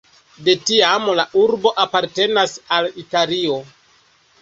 De tiam la urbo apartenas al Italio.